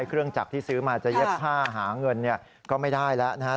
เครื่องจักรที่ซื้อมาจะเย็บผ้าหาเงินก็ไม่ได้แล้วนะครับ